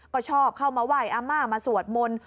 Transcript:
ก็ชอบเข้ามาไหว้อาม่ามาสวดมนต์